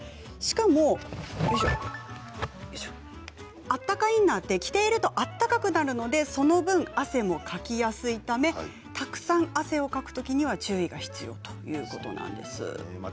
しかも、あったかインナーは着ているとあったかくなるのでその分汗もかきやすくなるためたくさん汗をかくときには注意が必要ということなんです。